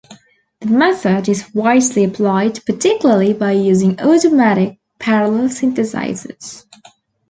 The method is widely applied particularly by using automatic parallel synthesizers.